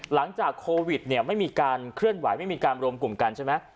หลังจากโควิดเนี่ยไม่มีการเคลื่อนไหวไม่มีการรวมกลุ่มกันใช่ไหม